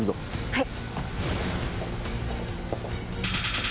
はい。